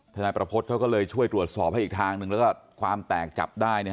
นายประพฤติเขาก็เลยช่วยตรวจสอบให้อีกทางหนึ่งแล้วก็ความแตกจับได้